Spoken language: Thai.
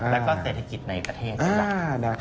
แล้วก็เศรษฐกิจในประเทศ